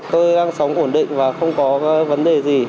tôi đang sống ổn định và không có vấn đề gì